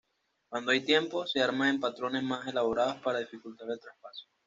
Cuando hay tiempo, se arman en patrones más elaborados para dificultar el traspaso.